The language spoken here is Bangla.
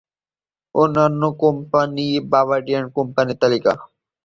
অন্যান্য কোম্পানি: বার্বাডিয়ান কোম্পানির তালিকা